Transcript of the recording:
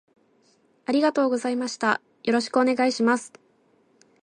ありがとうございましたよろしくお願いします